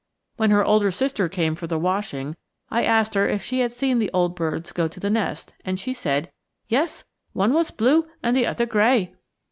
When her older sister came for the washing I asked her if she had seen the old birds go to the nest, and she said, "Yes; one was blue and the other gray."